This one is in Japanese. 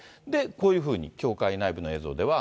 こういうふうに教会内部の映像では。